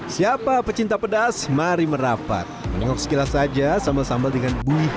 siapa pecinta pedas mari merapat menengok sekilas saja sambal sambal dengan buih